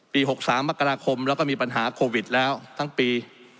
ปีหกสามประกราคมเราก็มีปัญหาโควิดแล้วทั้งปี